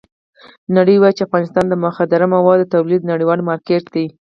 نړۍ وایي چې افغانستان د مخدره موادو د تولید نړیوال مارکېټ دی.